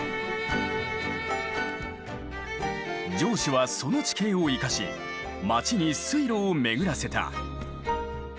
城主はその地形を生かし町に水路を巡らせた。